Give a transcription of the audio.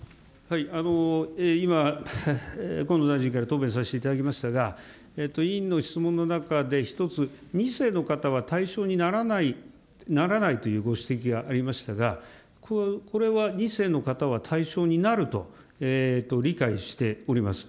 今、河野大臣から答弁させていただきましたが、委員の質問の中で１つ、２世の方は対象にならないというご指摘がありましたが、これは２世の方は対象になると、理解しております。